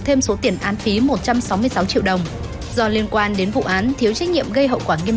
thêm số tiền án phí một trăm sáu mươi sáu triệu đồng do liên quan đến vụ án thiếu trách nhiệm gây hậu quả nghiêm